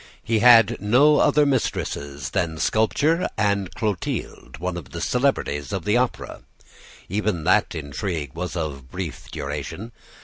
He had no other mistresses than sculpture and Clotilde, one of the celebrities of the Opera. Even that intrigue was of brief duration.